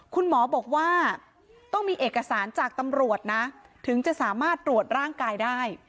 คุณหมอบอกว่าต้องมีเอกสารจากตำรวจนะถึงจะสามารถตรวจร่างกายได้